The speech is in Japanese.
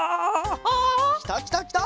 きたきたきた！